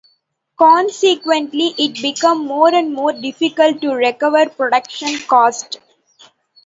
Consequently, it became more and more difficult to recover production costs.